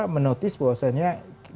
bahwasannya ini bukan salah satu